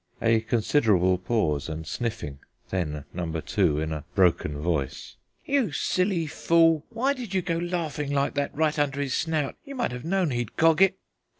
A considerable pause, and sniffing. Then Number two, in a broken voice: "You silly fool, why did you go laughing like that right under his snout? You might have known he'd cog it."